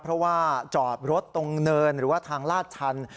เพราะว่าจอดรถตรงเนินหรือว่าทางลาดชัน